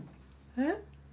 えっ？